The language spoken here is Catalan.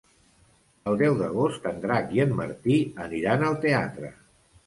El deu d'agost en Drac i en Martí aniran al teatre.